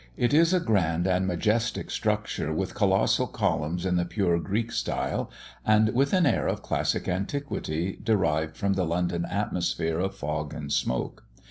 It is a grand and majestic structure, with colossal columns in the pure Greek style; and with an air of classic antiquity, derived from the London atmosphere of fog and smoke.